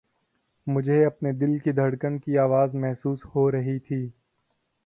مجھے اپنے دل کی دھڑکن کی آواز محسوس ہو رہی تھی